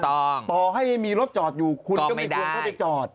ต่อต่อให้มีรถจอดอยู่คุณก็ไม่ควรเข้าไปจอด